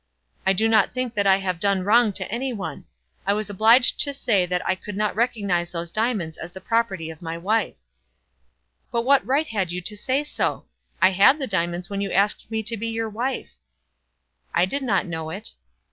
"I do not think that I have done wrong to any one. I was obliged to say that I could not recognise those diamonds as the property of my wife." "But what right had you to say so? I had the diamonds when you asked me to be your wife." "I did not know it."